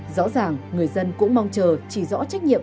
rõ ràng người dân cũng mong chờ chỉ rõ trách nhiệm